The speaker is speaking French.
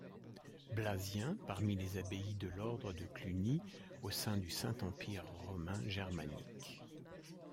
Blasien, parmi les abbayes de l'Ordre de Cluny au sein du Saint-Empire romain germanique.